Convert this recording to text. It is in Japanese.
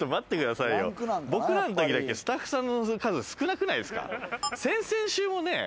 僕らの時だけ、スタッフさんの数、少なくないですか？